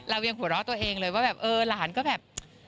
ยังหัวเราะตัวเองเลยว่าแบบเออหลานก็แบบ